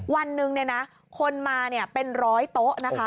วันหนึ่งคนมาเป็นร้อยโต๊ะนะคะ